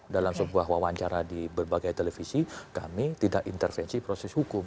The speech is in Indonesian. dalam sebuah wawancara di berbagai televisi kami tidak intervensi proses hukum